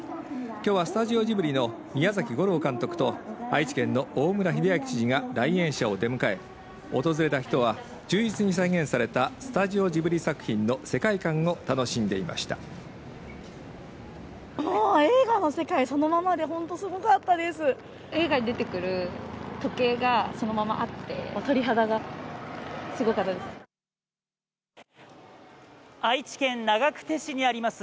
今日はスタジオジブリの宮崎吾朗監督と愛知県の大村秀章知事が来園者を出迎え訪れた人は忠実に再現されたスタジオジブリ作品の世界観を楽しんでいました愛知県長久手市にあります